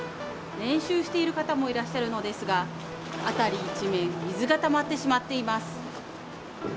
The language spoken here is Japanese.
練習している方もいらっしゃるのですが、辺り一面、水がたまってしまっています。